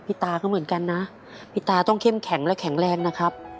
ตาก็เหมือนกันนะพี่ตาต้องเข้มแข็งและแข็งแรงนะครับ